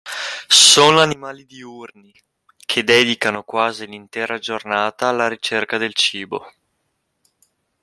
Sono animali diurni, che dedicano quasi l'intera giornata alla ricerca del cibo.